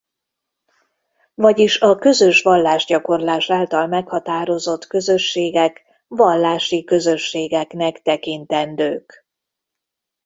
Vagyis a közös vallásgyakorlás által meghatározott közösségek vallási közösségeknek tekintendők.